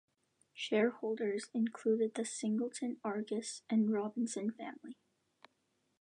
Shareholders included the "Singleton Argus" and the Robinson Family.